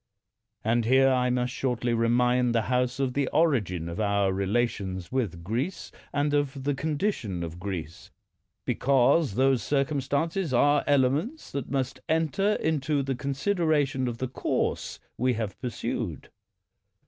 And here I must shortly remind the House of the origin of our relations with Greece, and of the condition of Greece; because those 192 PALMERSTON Circumstances are elements that must enter into the consideration of the course we have pursued.